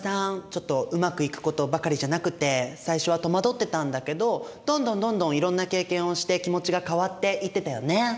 ちょっとうまくいくことばかりじゃなくて最初は戸惑ってたんだけどどんどんどんどんいろんな経験をして気持ちが変わっていってたよね。